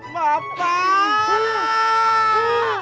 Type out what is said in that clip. bapak gue meninggal